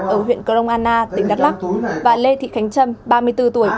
ở huyện crong anna tỉnh đắk lắc và lê thị khánh trâm ba mươi bốn tuổi